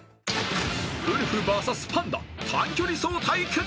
［ウルフＶＳパンダ短距離走対決］